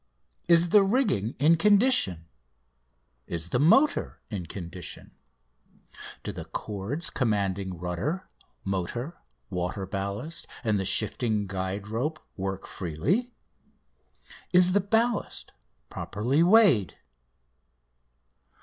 Is the rigging in condition? Is the motor in condition? Do the cords commanding rudder, motor, water ballast, and the shifting guide rope work freely? Is the ballast properly weighed?